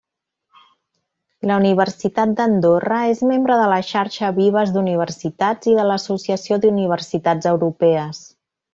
La Universitat d'Andorra és membre de la Xarxa Vives d'Universitats i de l'Associació d'Universitats Europees.